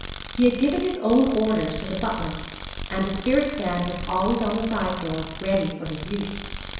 He had given his own orders to the butler, and the spirit stand was always on the sideboard ready for his use.